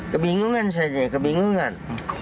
kebingungan saya ini kebingungan